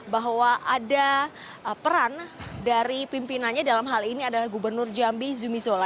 bahwa ada peran dari pimpinannya dalam hal ini adalah gubernur jambi zumi zola